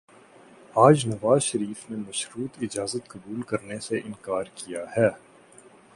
آج نواز شریف نے مشروط اجازت قبول کرنے سے انکار کیا ہے۔